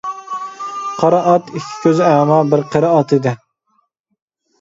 قارا ئات ئىككى كۆزى ئەما بىر قېرى ئات ئىدى.